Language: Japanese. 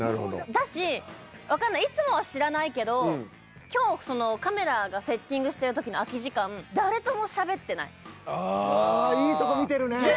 だしわかんないいつもは知らないけど今日カメラをセッティングしている時の空き時間ああいいとこ見てるね。